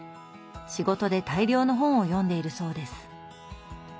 仕事で大量の本を読んでいるそうです。